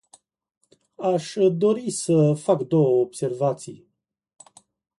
Aș dori să fac două observații.